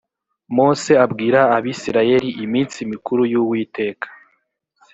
mose abwira abisirayeli iminsi mikuru y uwiteka